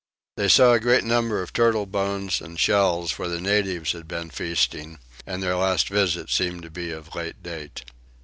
They saw a great number of turtle bones and shells where the natives had been feasting, and their last visit seemed to be of late date.